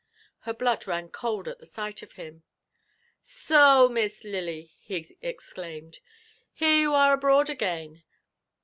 Her blood ran cold at the sight of him. ''Sohl Miss Lily I" he exclaimed, ''here you are abroad again!